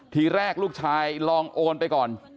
ทีแรกลูกชายลองโอนไปก่อน